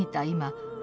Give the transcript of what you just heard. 今